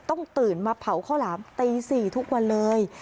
ตื่นมาเผาข้าวหลามตี๔ทุกวันเลย